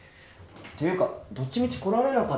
っていうかどっちみち来られなかったろ？